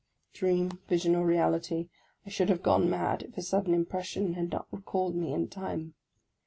Dream, vision, or reality, I should have gone mad if a sud den impression had not recalled me in time.